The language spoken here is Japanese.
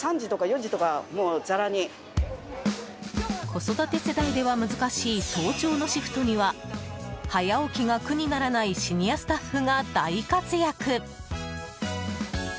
子育て世代では難しい早朝のシフトには早起きが苦にならないシニアスタッフが大活躍。